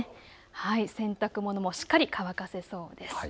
洗濯物もしっかり乾かせそうです。